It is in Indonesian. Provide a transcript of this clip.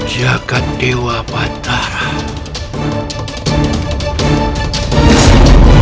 jagad dewa batara